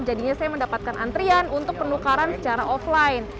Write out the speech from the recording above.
jadinya saya mendapatkan antrian untuk penukaran secara offline